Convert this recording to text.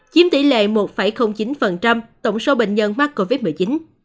chiếm tỷ lệ một chín tổng số bệnh nhân mắc covid một mươi chín